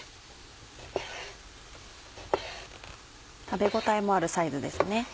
食べ応えもあるサイズですね。